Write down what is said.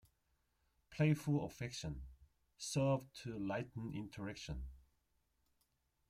"Playful affection": Serve to lighten interaction.